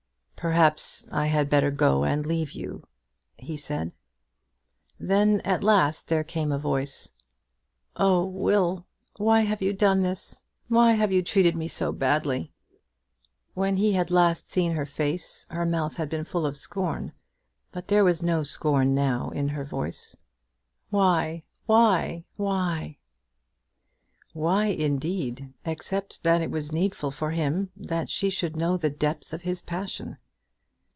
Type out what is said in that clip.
"Perhaps I had better go and leave you," he said. Then at last there came a voice, "Oh, Will, why have you done this? Why have you treated me so badly?" When he had last seen her face her mouth had been full of scorn, but there was no scorn now in her voice. "Why why why?" Why indeed; except that it was needful for him that she should know the depth of his passion.